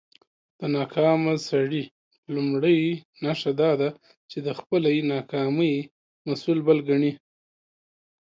د ناکامه سړى لومړۍ نښه دا ده، چې د خپلى ناکامۍ مسول بل کڼې.